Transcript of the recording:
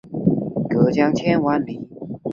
提供用于常用高级数学运算的运算函数。